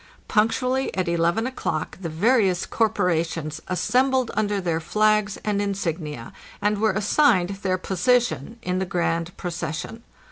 Punctually at 11 o'clock the vari ous corporations assembled under their flags and insignia, and were assigned their position in the grand procession.